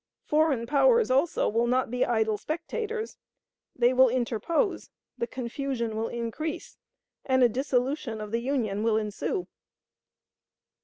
Foreign powers, also, will not be idle spectators. They will interpose; the confusion will increase; and a dissolution of the Union will ensue."